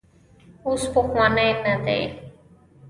اوس پخوانی نه دی.